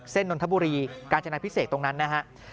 เส้นนทบุรีการจัดงานพิเศษตรงนั้นนะฮะ